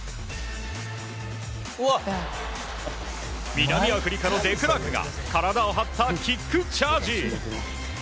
南アフリカのデクラークが体を張ったキックチャージ！